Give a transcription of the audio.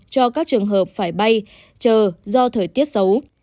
cho các trường hợp phải bay chờ do thời tiết xấu